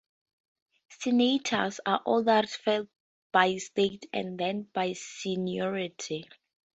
Senators are ordered first by state, and then by seniority.